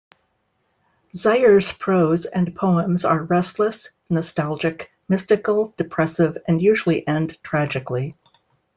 Zeyer's prose and poems are restless, nostalgic, mystical, depressive, and usually end tragically.